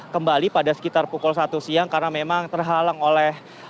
kembali pada sekitar pukul satu siang karena memang terhalang oleh